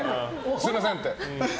すみませんって。